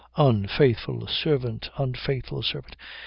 "Unfaithful servant. Unfaithful servant.